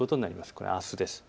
これはあすです。